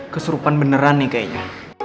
kesurupan beneran nih kayaknya